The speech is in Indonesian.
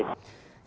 ya saya mengerti